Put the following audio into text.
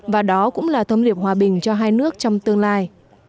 và đó cũng là thâm liệp hòa bình cho hai nước trong tương lai